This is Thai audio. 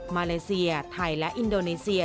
มาเลเซียไทยและอินโดนีเซีย